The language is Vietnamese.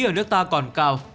ở nước ta còn cao